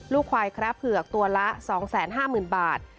ควายแคระเผือกตัวละ๒๕๐๐๐บาท